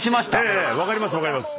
分かります。